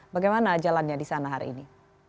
bagaimana jalannya di sana hari ini